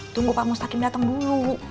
tunggu pak mustaqim datang dulu